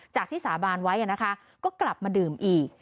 จากที่สาบานไว้นะคะก็กลับมาดื่มอีก